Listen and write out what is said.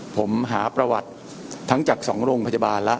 ผมหาประวัติทั้งจาก๒โรงพยาบาลแล้ว